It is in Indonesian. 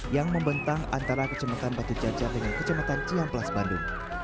yang membentang antara kejembatan batu jajan dengan kejembatan cianplas bandung